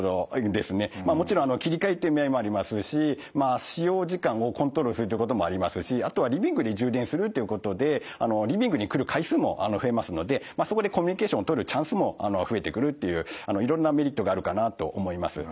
もちろん切り替えっていう意味合いもありますし使用時間をコントロールするっていうこともありますしあとはリビングで充電するっていうことでリビングに来る回数も増えますのでそこでコミュニケーションをとるチャンスも増えてくるっていういろんなメリットがあるかなと思います。